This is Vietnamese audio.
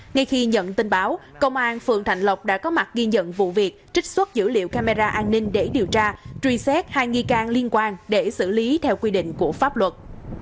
ngay khi nhận tin báo công an phường thạnh lộc đã có mặt ghi nhận vụ việc trích xuất dữ liệu camera an ninh để điều tra truy xét hai nghi can liên quan để xử lý theo quy định của pháp luật